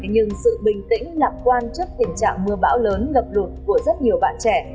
nhưng sự bình tĩnh lạc quan trước tình trạng mưa bão lớn ngập lụt của rất nhiều bạn trẻ